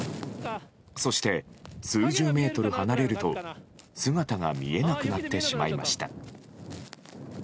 そして、数十メートル離れると姿が見えなくなってしまいました。